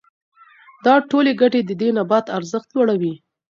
دا ټولې ګټې د دې نبات ارزښت لوړوي.